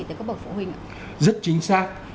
tới các bậc phụ huynh ạ rất chính xác